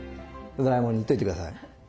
ドラえもんに言っといて下さい。